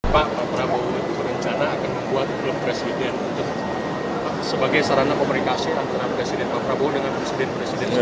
pak prabowo berencana akan membuat film presiden untuk sebagai sarana komunikasi antara presiden pak prabowo dengan presiden presiden sebelumnya